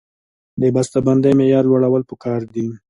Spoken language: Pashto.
د بسته بندۍ معیار لوړول پکار دي